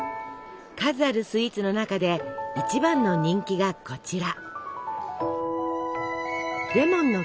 数あるスイーツの中で一番の人気がこちら。